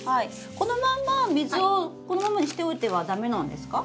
このまんま水をこのまんまにしておいては駄目なんですか？